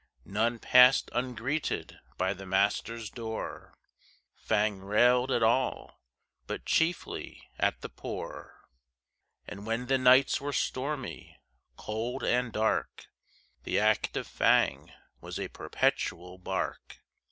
None passed ungreeted by the master's door, Fang railed at all, but chiefly at the poor; And when the nights were stormy, cold and dark, The act of Fang was a perpetual bark.